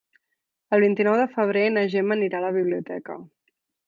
El vint-i-nou de febrer na Gemma anirà a la biblioteca.